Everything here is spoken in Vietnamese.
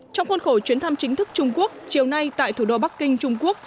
trong khuôn khổ chuyến thăm chính thức trung quốc chiều nay tại thủ đô bắc kinh trung quốc